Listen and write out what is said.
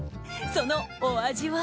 そのお味は？